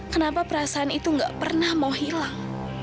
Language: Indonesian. kenapa perasaan itu gak pernah mau hilang